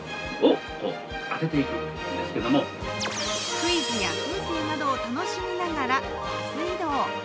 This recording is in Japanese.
クイズや風景などを楽しみながらバス移動。